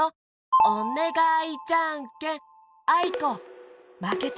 おねがいじゃんけんあいこまけて！